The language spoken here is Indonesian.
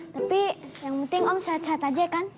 tapi yang penting om sehat sehat aja kan